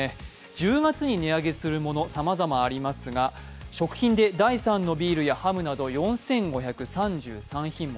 １０月に値上げするものさまざまありますが食品で第３のビールやハムなど４５３３品目。